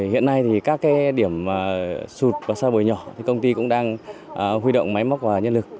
hiện nay thì các điểm sụt và xa bồi nhỏ thì công ty cũng đang huy động máy móc và nhân lực